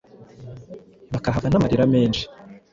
bakahava n’amarira menshi.